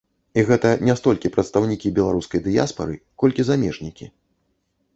І гэта не столькі прадстаўнікі беларускай дыяспары, колькі замежнікі.